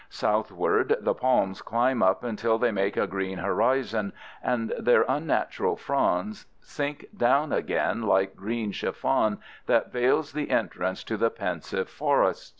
Shoreward the palms climb up until they make a green horizon, and their unnatural fronds sink down again like green chiffon that veils the entrance to the pensive forest.